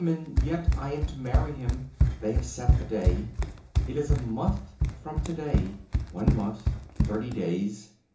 And yet I am to marry him. They have set the day. It is a month from to day. One month. Thirty days.